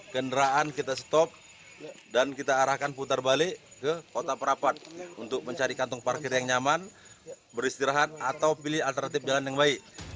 kendaraan kita stop dan kita arahkan putar balik ke kota perapat untuk mencari kantong parkir yang nyaman beristirahat atau pilih alternatif jalan yang baik